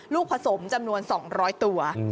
ลูกผสมจำนวน๒๐๐ตัว